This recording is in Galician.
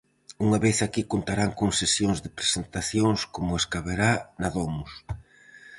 Unha vez aquí contarán con sesións de presentacións como as que haberá na Domus.